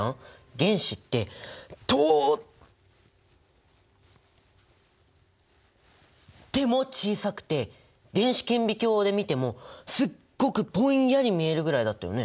原子ってとっても小さくて電子顕微鏡で見てもすっごくぼんやり見えるぐらいだったよね？